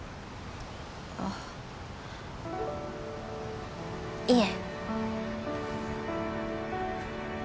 あっいえ。